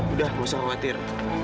udah nggak usah khawatir